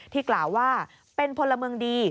กล่าวว่าเป็นพลเมืองดี